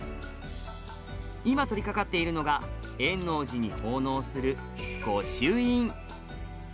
今取りかかっているのが円応寺に奉納する御朱印。